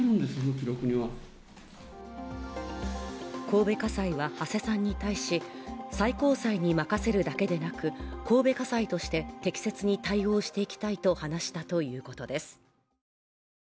神戸家裁は土師さんに対し、最高裁に任せるだけでなく神戸家裁として適切に対応していきたいと話したということです。